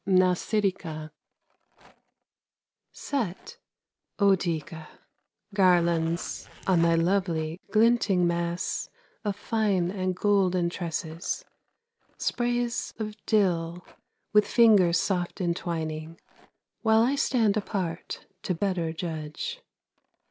MNASIDICA Set, O Dica, garlands on thy lovely Glinting mass of fine and golden tresses, Sprays of dill with fingers soft entwining While I stand apart to better judge.